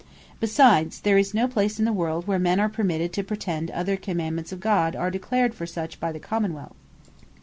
Besides, there is no place in the world where men are permitted to pretend other Commandements of God, than are declared for such by the Common wealth.